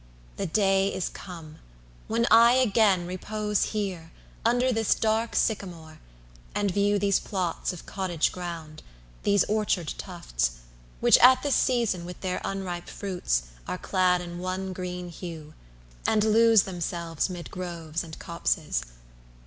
The day is come when I again repose Here, under this dark sycamore, and view 10 These plots of cottage ground, these orchard tufts, Which at this season, with their unripe fruits, Are clad in one green hue, and lose themselves 'Mid groves and copses.